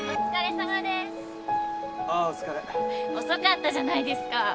遅かったじゃないですか。